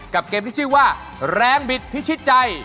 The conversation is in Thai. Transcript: เกมที่ชื่อว่าแรงบิดพิชิตใจ